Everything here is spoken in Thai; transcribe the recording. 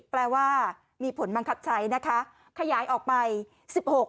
แปลว่ามีผลบังคับใช้นะคะขยายออกไปสิบหก